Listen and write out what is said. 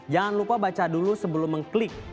jangan lupa baca dulu sebelum mengklik